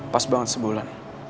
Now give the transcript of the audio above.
pas banget sebulan